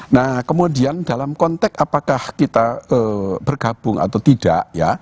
nah kemudian dalam konteks apakah kita bergabung atau tidak ya